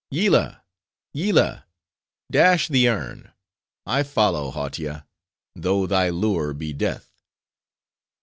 "Yillah! Yillah!—dash the urn! I follow, Hautia! though thy lure be death."